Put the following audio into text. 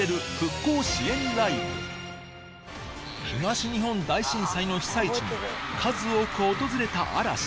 東日本大震災の被災地に数多く訪れた嵐